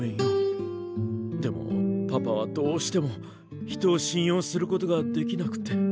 でもパパはどうしても人を信用することができなくて。